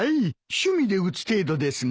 趣味で打つ程度ですが。